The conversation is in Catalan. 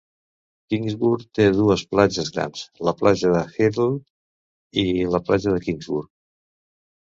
Kingsburg té dues platges grans, la platja de Hirtle i la platja de Kingsburg.